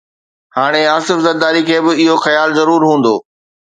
هاڻ آصف زرداري کي به اهو خيال ضرور هوندو